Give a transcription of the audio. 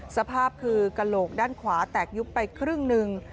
สภาพคือกระโหลกด้านขวาแตกยุบไปครึ่งหนึ่ง